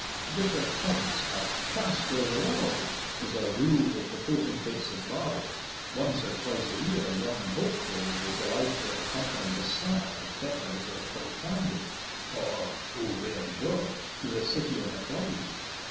To give their cubs a "cast o' the world" was a rule with the potentates of Barbie; once or twice a year young Hopeful was allowed to accompany his sire to Fechars or Poltandie, or oh, rare joy! to the city on the Clyde.